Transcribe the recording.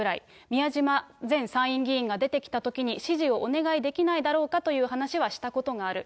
宮島前参議院が出てきたときに指示をお願いできないだろうかという話はしたことがある。